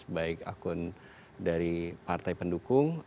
baik akun dari partai pendukung